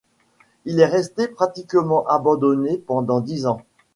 Il est resté pratiquement abandonné pendant dix ans.